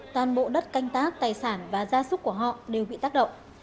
toàn bộ đất canh tác tài sản và gia súc của họ đều bị tác động